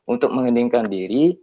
untuk mengheningkan diri